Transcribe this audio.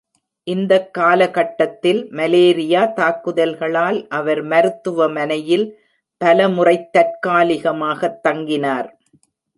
இந்தக் காலக்கட்டத்தில், மலேரியா தாக்குதல்களால் அவர் மருத்துவமனையில் பலமுறைத் தற்காலிகமாகத் தங்கினார்.